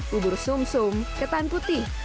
bubur sum sum ketan putih